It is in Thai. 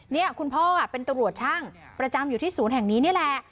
นี่คุณพ่อเป็นตำรวจช่างประจำอยู่ที่ศูนย์แห่งนี้นี่แหละ